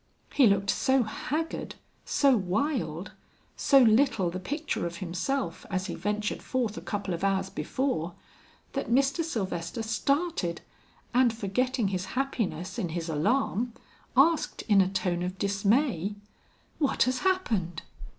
He looked so haggard, so wild, so little the picture of himself as he ventured forth a couple of hours before, that Mr. Sylvester started, and forgetting his happiness in his alarm, asked in a tone of dismay: "What has happened?